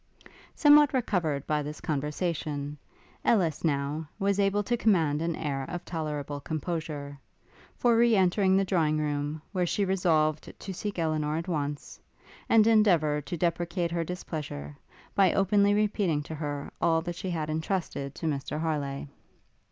Somewhat recovered by this conversation, Ellis, now, was able to command an air of tolerable composure, for re entering the drawing room, where she resolved to seek Elinor at once, and endeavour to deprecate her displeasure, by openly repeating to her all that she had entrusted to Mr Harleigh.